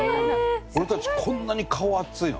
俺たちこんなに顔熱いの？